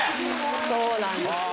そうなんです。